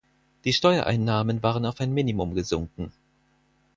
Die Steuereinnahmen waren auf ein Minimum gesunken.